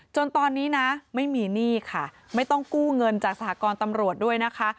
จนตอนนี้นะไม่มีหนี้ค่ะไม่ต้องกู้เงินจากสหกรตำรวจด้วยนะคะ